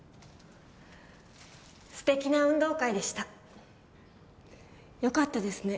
ステキな運動会でしたよかったですね